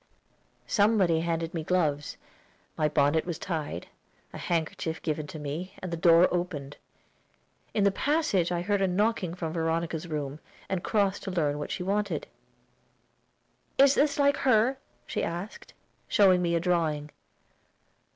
Somebody handed me gloves; my bonnet was tied, a handkerchief given to me, and the door opened. In the passage I heard a knocking from Veronica's room, and crossed to learn what she wanted. "Is this like her?" she asked, showing me a drawing.